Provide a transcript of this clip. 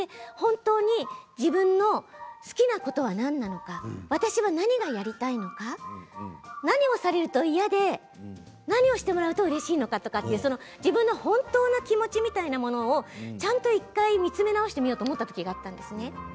自分の好きなことは何なのか私は何がしたいのか、何をされると嫌で何をしてもらうとうれしいのかということ自分の本当の気持ちみたいなものをちゃんと１回見つめ直してみようと思った時があったんです。